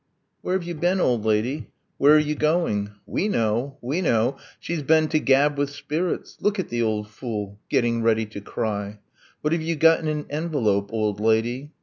Where have you been, old lady? Where are you going? We know, we know! She's been to gab with spirits. Look at the old fool! getting ready to cry! What have you got in an envelope, old lady?